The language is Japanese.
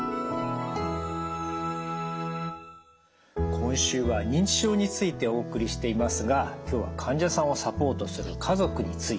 今週は認知症についてお送りしていますが今日は患者さんをサポートする家族についてです。